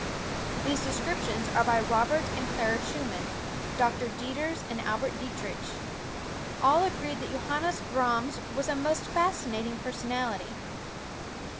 These descriptions are by Robert and Clara Schumann, Doctor Dieters and Albert Dietrich. All agree that Johannes Brahms was a most fascinating personality.